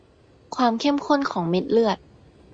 ความเข้มข้นของเม็ดเลือด